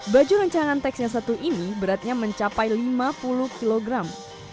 baju rancangan teks yang satu ini beratnya mencapai lima puluh kilogram